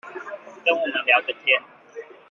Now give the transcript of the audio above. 跟我們聊個天